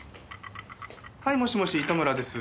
はいもしもし糸村です。